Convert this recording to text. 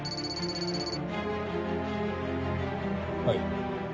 はい。